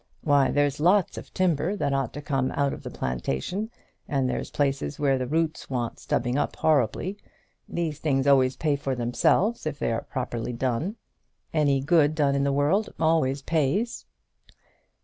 Why, there's lots of timber that ought to come out of the plantation; and there's places where the roots want stubbing up horribly. These things always pay for themselves if they are properly done. Any good done in the world always pays."